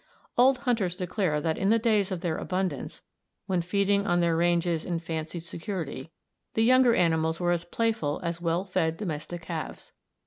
Old hunters declare that in the days of their abundance, when feeding on their ranges in fancied security, the younger animals were as playful as well fed domestic calves.